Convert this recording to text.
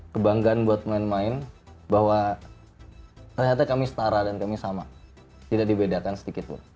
kebanggaan buat main main bahwa ternyata kami setara dan kami sama tidak dibedakan sedikit pun